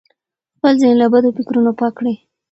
خپل ذهن له بدو فکرونو پاک کړئ.